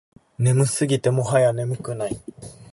眠すぎてもはや眠くない